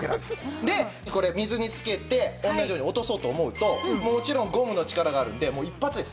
でこれ水につけて同じように落とそうと思うともちろんゴムの力があるのでもう一発です！